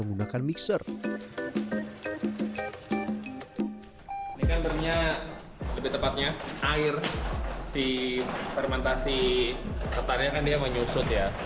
ini kan sebenarnya air fermentasi ketananya kan dia menyusut ya